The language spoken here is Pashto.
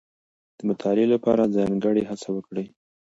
د مطالعې لپاره ځانګړې هڅه وکړئ.